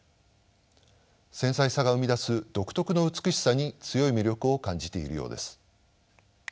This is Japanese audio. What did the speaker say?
繊細さが生み出す独特の美しさに強い魅力を感じているようです。